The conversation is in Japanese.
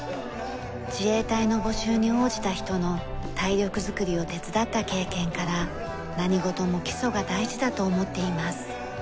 自衛隊の募集に応じた人の体力作りを手伝った経験から何事も基礎が大事だと思っています。